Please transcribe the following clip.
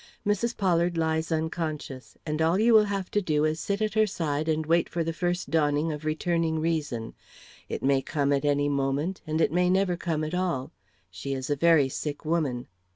Mrs. Pollard lies unconscious, and all you will have to do is to sit at her side and wait for the first dawning of returning reason. It may come at any moment, and it may never come at all. She is a very sick woman."